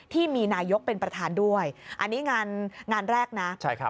ที่มีนายกเป็นประธานด้วยอันนี้งานแรกนะ